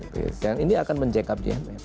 dan ini akan menjaga gmf